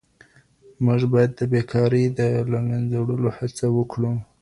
موږ باید د بیکارۍ د له منځه وړلو هڅه وکړو.